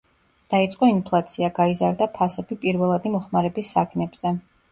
დაიწყო ინფლაცია, გაიზარდა ფასები პირველადი მოხმარების საგნებზე.